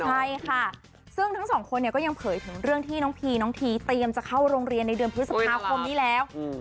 ใช่ค่ะซึ่งทั้งสองคนเนี่ยก็ยังเผยถึงเรื่องที่น้องพีน้องทีเตรียมจะเข้าโรงเรียนในเดือนพฤษภาคมนี้แล้ว